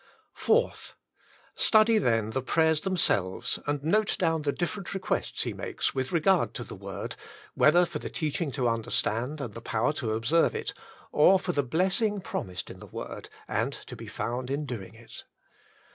4th. Study then the prayers themselves and note down the different requests he makes with re gard to the Word, whether for the teaching to un derstand and the power to observe it, or for the blessing promised in the Word, and to be found I40 The Inner Chamber in doing it.